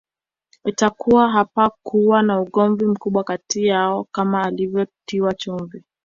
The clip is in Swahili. Itakuwa hapakuwa na ugomvi mkubwa kati yao kama ilivyotiwa chumvi